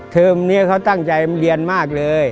เทอมนี้เขาตั้งใจเรียนมากเลย